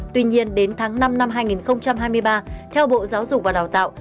tuy nhiên đến tháng năm năm hai nghìn hai mươi ba theo bộ giáo dục và đào tạo